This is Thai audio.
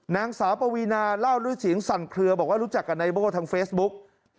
นางสาวปวีนาเล่าด้วยเสียงสั่นเคลือบอกว่ารู้จักกับนายโบ้ทางเฟซบุ๊ก